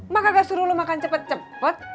mak agak suruh lo makan cepet cepet